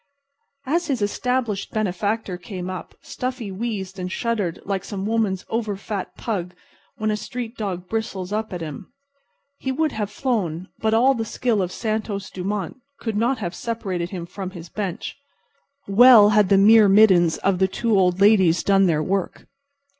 As his established benefactor came up Stuffy wheezed and shuddered like some woman's over fat pug when a street dog bristles up at him. He would have flown, but all the skill of Santos Dumont could not have separated him from his bench. Well had the myrmidons of the two old ladies done their work.